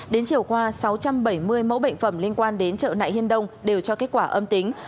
đến chiều qua sáu trăm bảy mươi mẫu bệnh phẩm liên quan đến chợ nại hiên đông đều cho kết quả âm tính